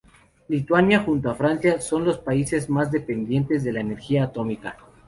Lituania junto a Francia son los países más dependientes de la energía atómica.